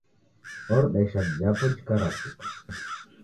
Oruda ishati japo jikarashuka.